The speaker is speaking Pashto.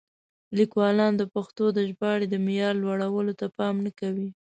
لیکوالان د پښتو د ژباړې د معیار لوړولو ته پام نه کوي.